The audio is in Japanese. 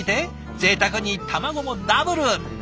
ぜいたくに卵もダブル！